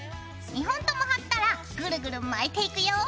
２本とも貼ったらグルグル巻いていくよ。